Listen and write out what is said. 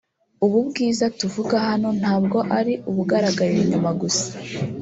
ubu bwiza tuvuga hano ntabwo ari ubugaragarira inyuma gusa